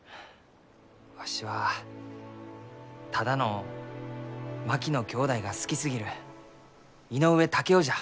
わしはただの槙野きょうだいが好きすぎる井上竹雄じゃ。